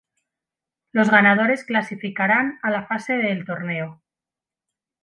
Los ganadores clasificarán a la fase final del torneo.